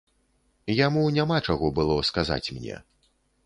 Яму няма чаго было сказаць мне.